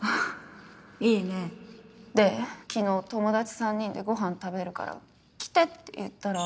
いいねで昨日友達３人でご飯食べるから来てって言ったら。